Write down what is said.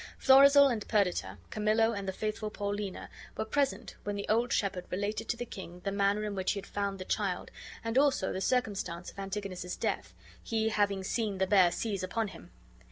Florizel and Perdita, Camillo and the faithful Paulina, were present when the old shepherd related to the king the manner in which he had found the child, and also the circumstance of Antigonus's death, he having seen the bear seize upon him.